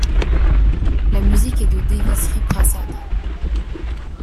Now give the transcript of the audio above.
La musique est de Devi Sri Prasad.